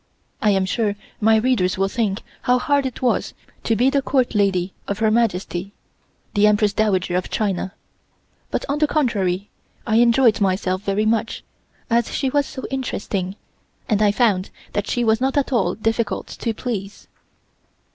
I am sure my readers will think how hard it was to be the Court lady of Her Majesty, the Empress Dowager of China, but on the contrary I enjoyed myself very much, as she was so interesting, and I found that she was not at all difficult to please.